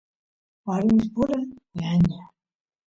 warmispura ñaña